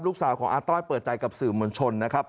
ลูกสาวของอาต้อยเปิดใจกับสื่อมวลชนนะครับ